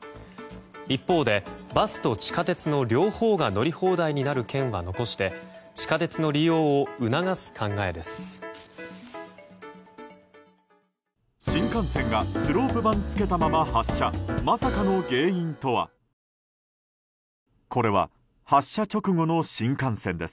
一方で、バスと地下鉄の両方が乗り放題になる券は残して地下鉄の利用を促す考えです。